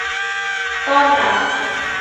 ต้อนรับ